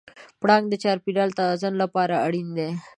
پړانګ د چاپېریال د توازن لپاره اړین دی.